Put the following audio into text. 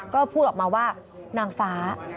ก็พูดออกมาว่านางฟ้า